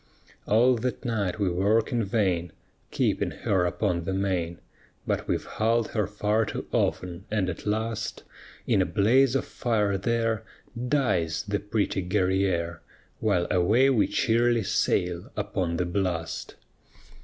_ All that night we work in vain Keeping her upon the main, But we've hulled her far too often, and at last In a blaze of fire there Dies the pretty Guerrière; While away we cheerly sail upon the blast.